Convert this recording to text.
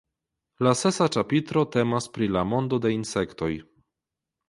La sesa ĉapitro temas pri la mondo de insektoj.